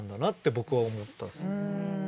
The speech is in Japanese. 僕は思ったんですよ。